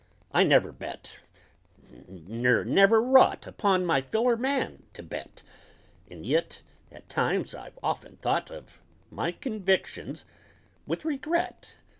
I never bet ner never wrought Upon my feller man to bet And yit, at times, I've often thought Of my convictions with regret.